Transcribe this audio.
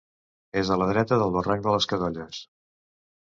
És a la dreta del barranc de les Cadolles.